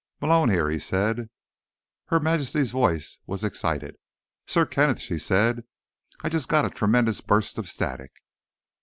"Malone here," he said. Her Majesty's voice was excited. "Sir Kenneth!" she said. "I just got a tremendous burst of static!"